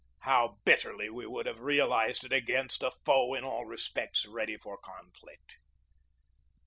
How bitterly we would have realized it against a foe ready in all respects for conflict!